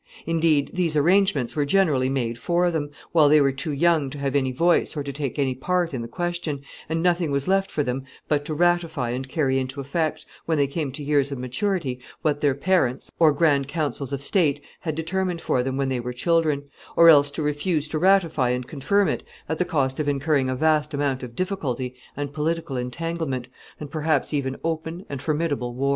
Indeed, these arrangements were generally made for them, while they were too young to have any voice or to take any part in the question, and nothing was left for them but to ratify and carry into effect, when they came to years of maturity, what their parents, or grand councils of state, had determined for them when they were children, or else to refuse to ratify and confirm it at the cost of incurring a vast amount of difficulty and political entanglement, and perhaps even open and formidable war.